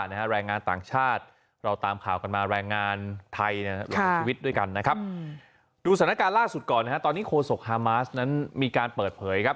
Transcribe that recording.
ดูสถานการณ์ล่าสุดก่อนนะฮะตอนนี้โคสกฮาม้าสนั้นมีการเปิดเผยครับ